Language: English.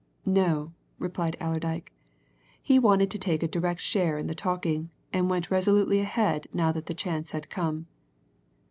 "No!" replied Allerdyke. He wanted to take a direct share in the talking, and went resolutely ahead now that the chance had come.